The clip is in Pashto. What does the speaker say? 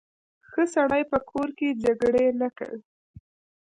ښه سړی په کور کې جګړې نه کوي.